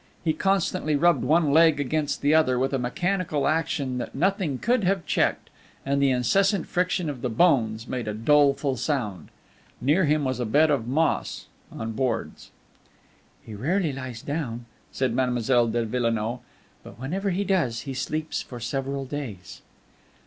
He constantly rubbed one leg against the other, with a mechanical action that nothing could have checked, and the incessant friction of the bones made a doleful sound. Near him was a bed of moss on boards. "He very rarely lies down," said Mademoiselle de Villenoix; "but whenever he does, he sleeps for several days."